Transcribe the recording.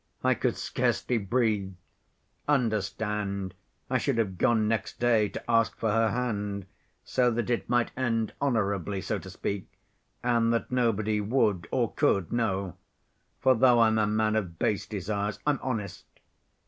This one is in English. I could scarcely breathe. Understand, I should have gone next day to ask for her hand, so that it might end honorably, so to speak, and that nobody would or could know. For though I'm a man of base desires, I'm honest.